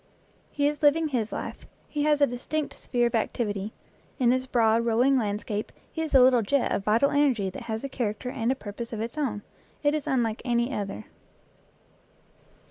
He is living his life, he has a distinct sphere of activity; in this broad, rolling landscape he is a little jet of vital energy that has a character and a purpose of its own; it is unlike any other.